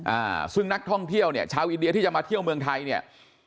อ่าซึ่งนักท่องเที่ยวเนี่ยชาวอินเดียที่จะมาเที่ยวเมืองไทยเนี่ย